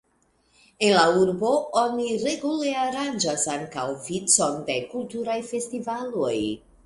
En la urbo oni regule aranĝas ankaŭ vicon de kulturaj festivaloj.